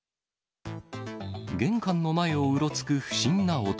玄関の前をうろつく不審な男。